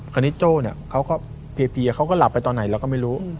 คณิตโจ้เพียบเขาก็หลับไปตอนไหนเราก็ไม่รู้